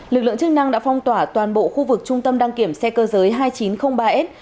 lực lượng chức năng đã phong tỏa toàn bộ khu vực trung tâm đăng kiểm xe cơ giới hai nghìn chín trăm linh ba s